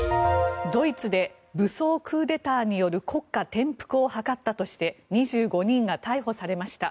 ドイツで武装クーデターによる国家転覆を図ったとして２５人が逮捕されました。